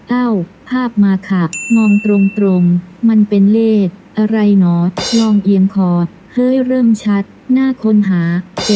ภาพมาค่ะมองตรงมันเป็นเลขอะไรหรอลองเอียงคอเฮ้ยเริ่มชัดน่าค้นหา